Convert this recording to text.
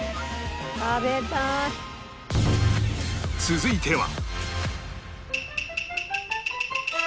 続いては